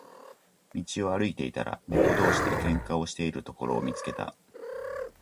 道を歩いていたら、猫同士で喧嘩をしているところを見つけた。